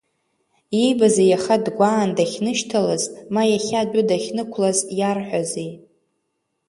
Иибазеи иаха дгәаан дахьнышьҭалаз, ма иахьа адәы дахьнықәлаз иарҳәазеи?